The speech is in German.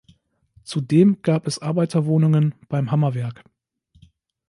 Zudem gab es Arbeiterwohnungen beim Hammerwerk.